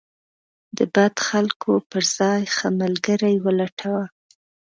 د بد خلکو پر ځای ښه ملګري ولټوه.